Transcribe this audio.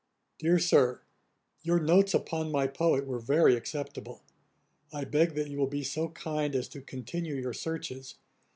'DEAR SIR, 'Your notes upon my poet were very acceptable. I beg that you will be so kind as to continue your searches.